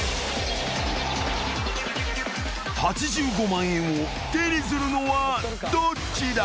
［８５万円を手にするのはどっちだ？］